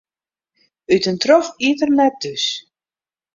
Ut en troch iet er net thús.